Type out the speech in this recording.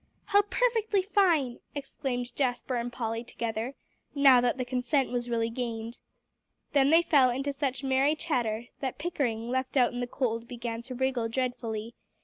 "How perfectly fine!" exclaimed Jasper and Polly together, now that the consent was really gained. Then they fell into such a merry chatter that Pickering, left out in the cold, began to wriggle dreadfully.